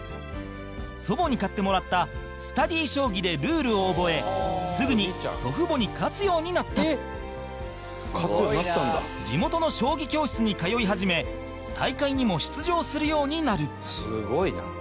祖母に買ってもらった『スタディ将棋』でルールを覚えすぐに祖父母に勝つようになった地元の将棋教室に通い始め大会にも出場するようになる伊達：すごいな。